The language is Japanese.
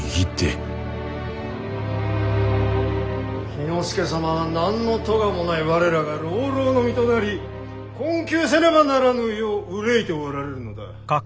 氷ノ介様は何の咎もない我らが浪々の身となり困窮せねばならぬ世を憂いておられるのだ。